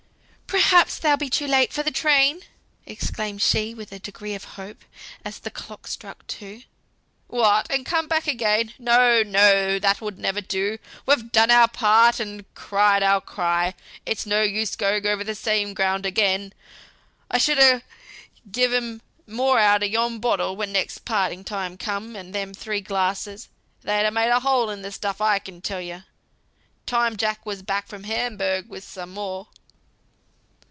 "Perhaps they'll be too late for th' train!" exclaimed she, with a degree of hope, as the clock struck two. "What! and come back again! No! no! that would never do. We've done our part, and cried our cry; it's no use going o'er the same ground again. I should ha' to give 'em more out of yon bottle when next parting time came, and them three glasses they had made a hole in the stuff, I can tell you. Time Jack was back from Hamburg with some more."